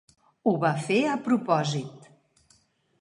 Ho va fer a propòsit.